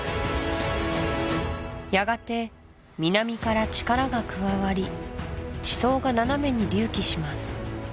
やがて南から力が加わり地層が斜めに隆起します